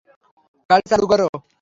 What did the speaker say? গাড়ি চালু করো!